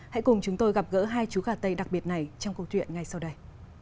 hãy cùng chúng tôi gặp gỡ hai chú gà tây đặc biệt này trong câu chuyện ngay sau đây